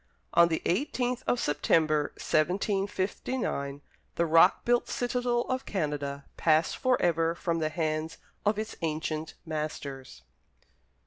On the eighteenth of September, 1759, the rock built citadel of Canada passed for ever from the hands of its ancient masters.